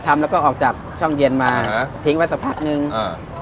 ทำแล้วก็ออกจากช่องเย็นมาฮะทิ้งไว้สักพักหนึ่งอ่า